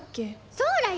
そうらよ！